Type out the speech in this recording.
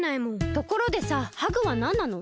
ところでさハグはなんなの？